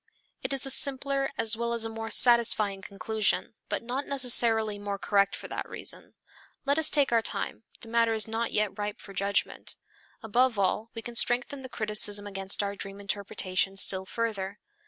It is a simpler as well as a more satisfying conclusion, but not necessarily more correct for that reason. Let us take our time, the matter is not yet ripe for judgment. Above all we can strengthen the criticism against our dream interpretation still further.